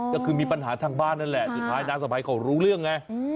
ก็คือมีปัญหาทางบ้านนั่นแหละสุดท้ายน้าสะพ้ายเขารู้เรื่องไง